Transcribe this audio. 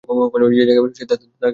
সে যাকে ভালোবাসে তাকেই জ্বালাতন করে।